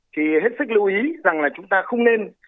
thì hết sức lưu ý rằng là chúng ta không nên